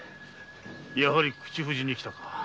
やはり口封じに来たか。